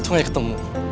tunggu aja ketemu